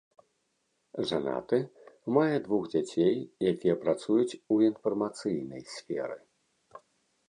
Жанаты, мае двух дзяцей, якія працуюць у інфармацыйнай сферы.